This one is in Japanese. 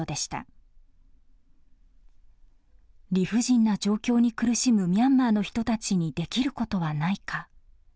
理不尽な状況に苦しむミャンマーの人たちにできることはないか。